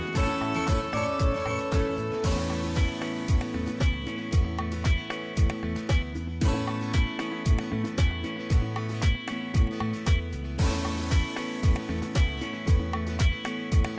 โปรดติดตามตอนต่อไป